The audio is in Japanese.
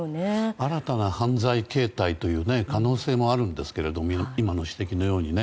新たな犯罪形態という可能性もありますけども今の指摘のように。